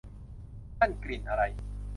นั่นกลิ่นอะไร